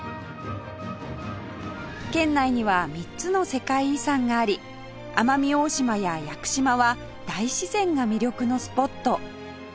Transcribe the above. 県内には３つの世界遺産があり奄美大島や屋久島は大自然が魅力のスポット